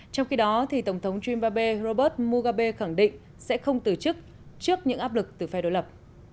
trong khi đó tổng thống dreambabwe robert mugabe khẳng định sẽ không từ chức trước những áp lực từ phe đối lập